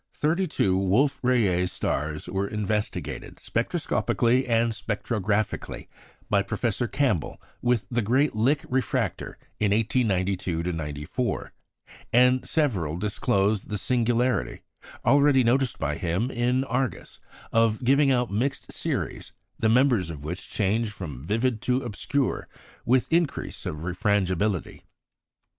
Thirty two Wolf Rayet stars were investigated, spectroscopically and spectrographically, by Professor Campbell with the great Lick refractor in 1892 94; and several disclosed the singularity, already noticed by him in Gamma Argûs, of giving out mixed series, the members of which change from vivid to obscure with increase of refrangibility.